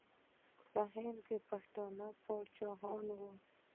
په هند کې پښتانه پاچاهان وو.